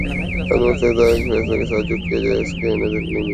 اب تو مختلف عدالتوں کے فیصلوں کے ساتھ جو کیا جا رہا ہے اس کی نظیر نہیں ملتی